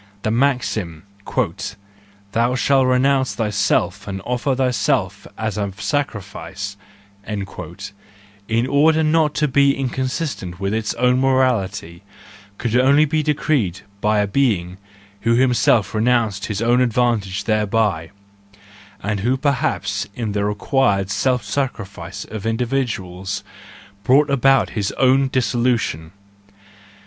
The maxim, " Thou shalt renounce thyself and offer thyself as a sacrifice, in order not to be inconsistent with its THE JOYFUL WISDOM, I 6l own morality, could only be decreed by a being who himself renounced his own advantage thereby, and who perhaps in the required self sacrifice of individuals brought about his own dissolution.